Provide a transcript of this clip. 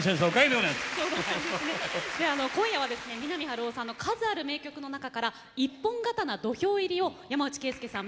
では今夜はですね三波春夫さんの数ある名曲の中から「一本刀土俵入り」を山内惠介さん